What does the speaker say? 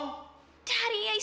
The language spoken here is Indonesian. ayah saya janji